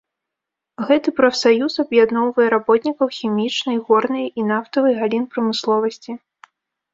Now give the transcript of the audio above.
Гэты прафсаюз аб'ядноўвае работнікаў хімічнай, горнай і нафтавай галін прамысловасці.